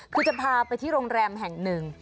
คือจะพาไปที่โรงแรมแห่งหนึ่ง